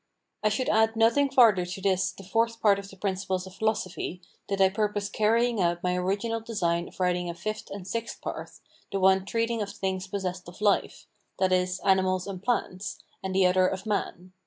I should add nothing farther to this the Fourth Part of the Principles of Philosophy, did I purpose carrying out my original design of writing a Fifth and Sixth Part, the one treating of things possessed of life, that is, animals and plants, and the other of man.